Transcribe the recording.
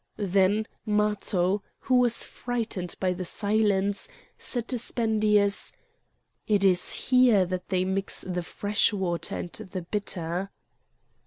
Then Matho, who was frightened by the silence, said to Spendius: "It is here that they mix the fresh water and the bitter."